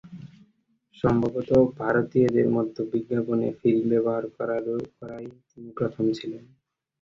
সম্ভবতঃ, ভারতীয়দের মধ্যে বিজ্ঞাপনে ফিল্ম ব্যবহার করায় তিনিই প্রথম ছিলেন।